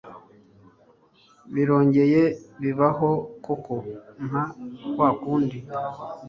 Birongeye bibaho koko nka kwakundi